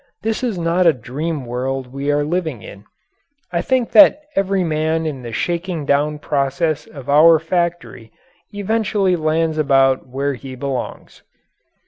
This is not a dream world we are living in. I think that every man in the shaking down process of our factory eventually lands about where he belongs.